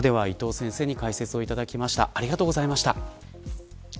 ここまでは伊藤先生に解説をいただきました。